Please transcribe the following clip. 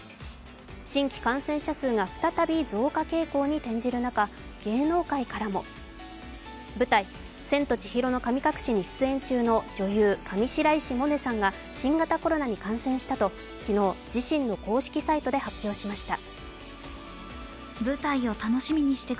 新規感染者数が再び増加傾向に転じる中、芸能界からも舞台「千と千尋の神隠し」に出演中の女優・上白石萌音さんが新型コロナに感染したと昨日、自身の公式サイトで発表しました。